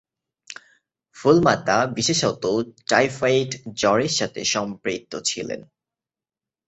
ফুল মাতা বিশেষত টাইফয়েড জ্বরের সাথে সম্পৃক্ত ছিলেন।